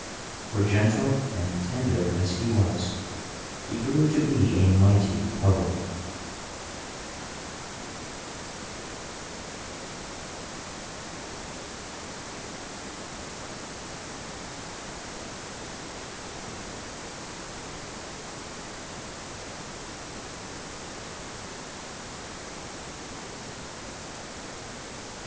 For, gentle and tender as he was, he grew to be a mighty poet!